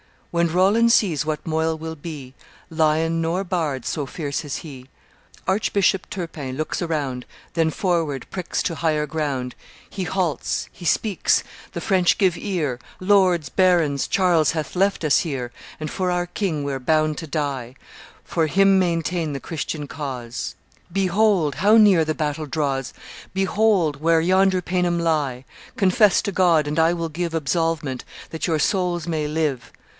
When Roland sees what moil will be, Lion nor pard so fierce as he. "Archbishop Turpin looks around, Then forward pricks to higher ground He halts, he speaks; the French give ear: 'Lords barons, Charles hath left us here, And for our king we're bound to die; For him maintain the Christian cause; Behold! how near the battle draws; Behold! where yonder Paynim lie; Confess to God; and I will give Absolvement, that your souls may live.